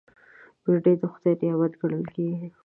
بېنډۍ د خدای نعمت ګڼل کېږي